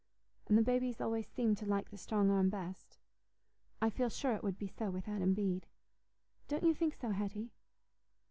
And the babies always seem to like the strong arm best. I feel sure it would be so with Adam Bede. Don't you think so, Hetty?"